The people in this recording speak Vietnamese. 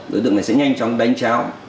đối tượng này sẽ nhanh chóng đánh cháo